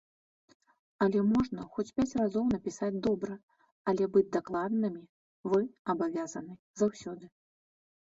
Але можна хоць пяць разоў напісаць добра, але быць дакладнымі вы абавязаны заўсёды.